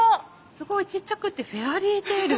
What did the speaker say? すごい小っちゃくって「フェアリーテイル」！